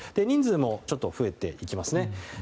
人数もちょっと増えていきますね。